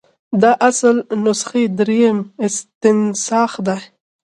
د اصل نسخې دریم استنساخ دی.